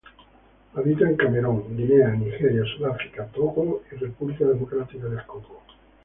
Habita en Camerún, Guinea, Nigeria, Sudáfrica, Togo y República Democrática del Congo.